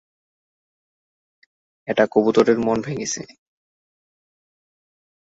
একটা কবুতরের মন ভেঙ্গেছে।